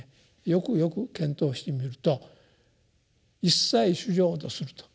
よくよく検討してみると一切衆生を度すると。